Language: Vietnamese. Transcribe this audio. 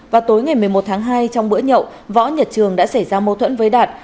vào tối ngày một mươi một tháng hai trong bữa nhậu võ nhật trường đã xảy ra mâu thuẫn với đạt